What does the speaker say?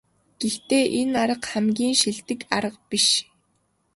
Гэхдээ энэ арга хамгийн шилдэг арга биш.